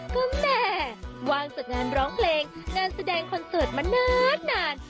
ก็แหมวางจากงานร้องเพลงงานแสดงคอนเสิร์ตมานาน